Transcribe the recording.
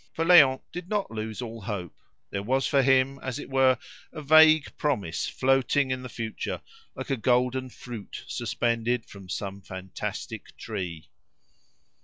For Léon did not lose all hope; there was for him, as it were, a vague promise floating in the future, like a golden fruit suspended from some fantastic tree.